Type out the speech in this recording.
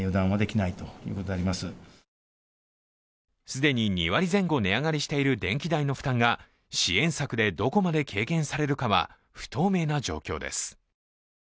既に２割前後値上がりしている電気代の負担が支援策でどこまで軽減されるかは不透明な状況です。